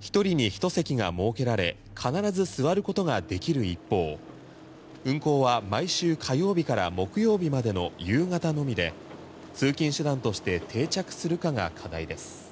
１人に１席が設けられ必ず座ることができる一方運航は毎週、火曜日から木曜日までの夕方のみで今朝の注目見出しをチェックします。